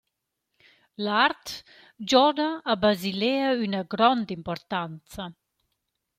L’art gioda a Basilea üna grond’importanza.